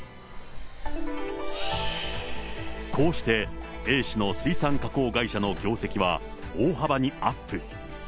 こうして、Ａ氏の水産加工会社の業績は大幅にアップ。